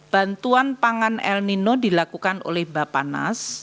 bantuan pangan el nino dilakukan oleh bapak nas